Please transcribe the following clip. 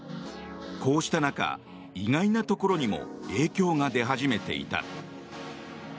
こうした中、意外なところにも影響が出始めていた。